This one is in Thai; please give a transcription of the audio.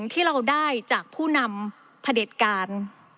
ที่เราได้จากผู้นำผลิตการ